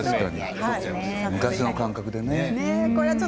昔の感覚でね。